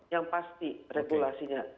yang pasti regulasinya